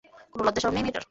কোনো লজ্জাশরম নেই মেয়েটার।